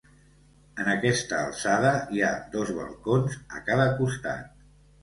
En aquesta alçada hi ha dos balcons a cada costat.